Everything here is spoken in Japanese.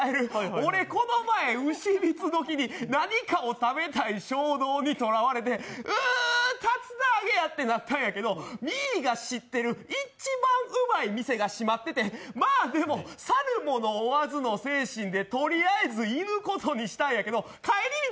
俺、この前うし三つ時に何かを食べたい衝動にかられてうー、竜田揚げやってなったんやけど、ミーが知ってる一番うまい店が閉まってて、まぁでも去る者追わずの精神でとりあえず行くことにしたんやけど帰り道、